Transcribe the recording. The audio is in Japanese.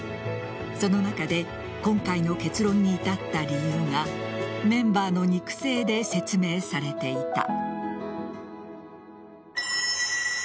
その中で今回の結論に至った理由がメンバーの肉声で説明されていた。